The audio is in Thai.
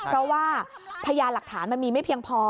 เพราะว่าพยานหลักฐานมันมีไม่เพียงพอ